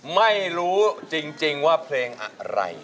ไม่รู้จริงว่าเพลงอะไร